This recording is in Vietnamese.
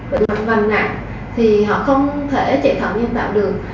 bệnh lọc vành nặng thì họ không thể trẻ thận nhân tạo được